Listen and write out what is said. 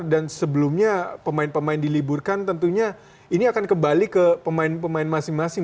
dan sebelumnya pemain pemain diliburkan tentunya ini akan kembali ke pemain pemain masing masing